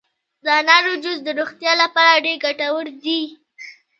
د انارو جوس د روغتیا لپاره ډیر ګټور دي.